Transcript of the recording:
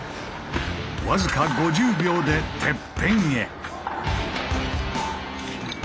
僅か５０秒でてっぺんへ。